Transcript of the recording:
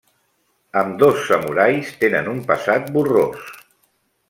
Ambdós samurais tenen un passat borrós.